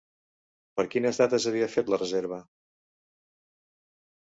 Per quines dates havia fet la reserva?